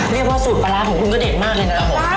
เรียกว่าสูตรปลาร้าของคุณก็เด็ดมากเลยนะครับผม